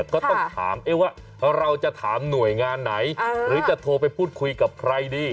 ก็ต้องถามว่าเราจะถามหน่วยงานไหนหรือจะโทรไปพูดคุยกับใครดี